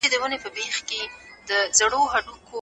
ولي پراختیایي پروژه په نړیواله کچه ارزښت لري؟